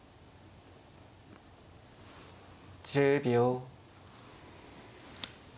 １０秒。